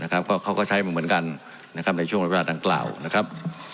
นะครับเขาก็ใช้มันเหมือนกันนะครับในช่วงประวัติศาสตร์ดังกล่าวนะครับ